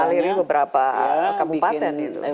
dan mengalir beberapa kabupaten